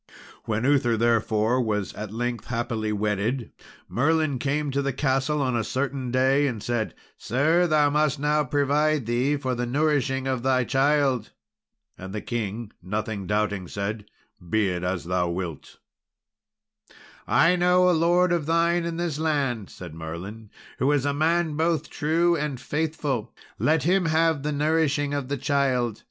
When Uther, therefore, was at length happily wedded, Merlin came to the castle on a certain day, and said, "Sir, thou must now provide thee for the nourishing of thy child." And the king, nothing doubting, said, "Be it as thou wilt." "I know a lord of thine in this land," said Merlin, "who is a man both true and faithful; let him have the nourishing of the child.